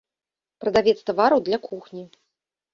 Прадавец тавараў для кухні.